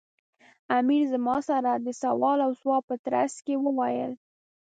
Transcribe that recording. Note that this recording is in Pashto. امیر زما سره د سوال و ځواب په ترڅ کې وویل.